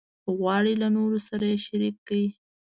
غواړي له نورو سره یې شریک کړي.